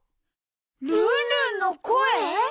ルンルンのこえ！？